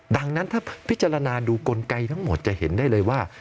ดังนั้นถ้าพิจารณาดูกลไกทั้งหมดจะเห็นได้เลยว่า